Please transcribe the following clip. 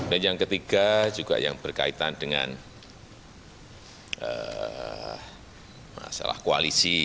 dan yang ketiga juga yang berkaitan dengan masalah koalisi